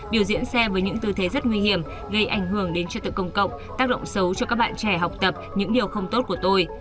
biểu diễn xe với những tư thế rất nguy hiểm gây ảnh hưởng đến trật tự công cộng tác động xấu cho các bạn trẻ học tập những điều không tốt của tôi